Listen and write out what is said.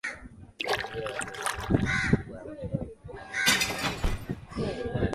Jamhuri ya Watu wa China ni nchi kubwa ya Mashariki mwa bara